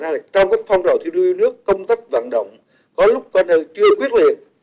cái thứ hai là trong các phong trào thiếu đuôi nước công tác vận động có lúc quan hệ chưa quyết liệt